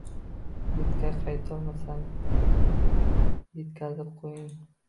Yurtga qaytolmasam etkazib quying